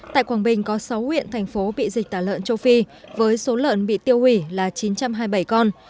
tại quảng bình có sáu huyện thành phố bị dịch tả lợn châu phi với số lợn bị tiêu hủy là chín trăm hai mươi bảy con